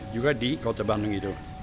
juga di kota bandung itu